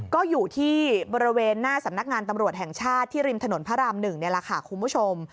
ก็อยู่ที่บริเวณหน้าสำนักงานตำรวจแห่งชาติที่ริมถนนพระราม๑นี่แหละค่ะคุณผู้ชม